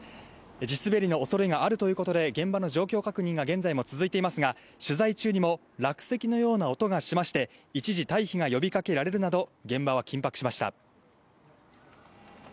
地滑りのおそれがあるということで、現場の状況確認が現在も続いていますが、取材中にも落石のような音がしまして、一時退避が呼びかけられるなど、現場は緊迫しました。